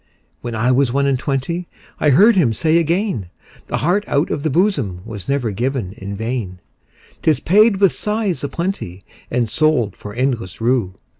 When I was one and twentyI heard him say again,'The heart out of the bosomWas never given in vain;'Tis paid with sighs a plentyAnd sold for endless rue.